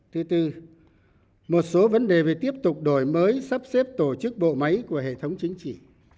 thứ tư một số vấn đề về tiếp tục đổi mới sắp xếp tổ chức bộ máy của hệ thống chính trị